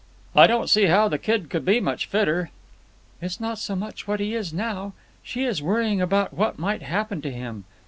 "I don't see how the kid could be much fitter." "It's not so much what he is now. She is worrying about what might happen to him.